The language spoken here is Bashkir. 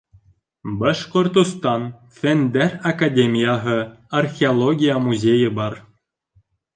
Башҡортостан Фәндәр академияһы археология музейы бар.